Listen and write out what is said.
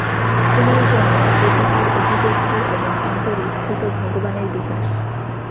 পুনর্জন্ম প্রকৃতির অভিব্যক্তি এবং অন্তরে স্থিত ভগবানের বিকাশ।